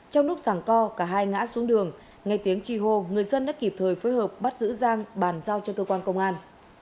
trong lúc giảng co cả hai ngã xuống đường ngay tiếng chi hô người dân đã kịp thời phối hợp bắt giữ giang bàn giao cho cơ quan công an